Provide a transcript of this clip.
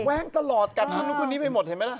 แว้งตลอดกัดนู้นคนนี้ไปหมดเห็นไหมล่ะ